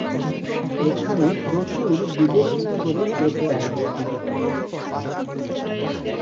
এখানে প্রচুর বিদেশী নাগরিক এতে অবস্থান করে।